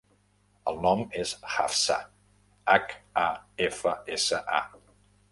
El nom és Hafsa: hac, a, efa, essa, a.